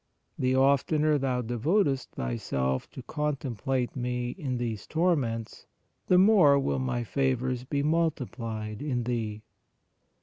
The oftener thou devotest thyself to contemplate Me in these tor ments, the more will My favors be multiplied in thee."